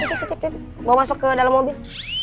gue masuk ke dalam mobil